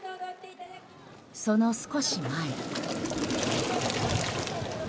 その少し前。